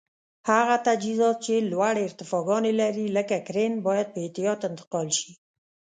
هغه تجهیزات چې لوړې ارتفاګانې لري لکه کرېن باید په احتیاط انتقال شي.